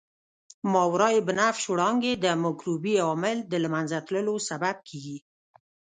ماورای بنفش وړانګې د مکروبي عامل د له منځه تلو سبب کیږي.